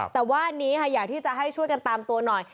แต่ว่านี้ค่ะอยากที่จะให้ช่วยกันตามตัวหน่อย